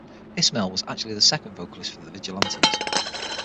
Ismail was actually the second vocalist for The Vigilantes.